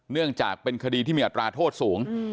เนื่องจากเป็นคดีที่มีอัตราโทษสูง